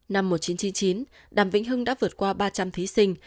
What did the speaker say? năm một nghìn chín trăm chín mươi chín đàm vĩnh hưng đã vượt qua ba trăm linh thí sinh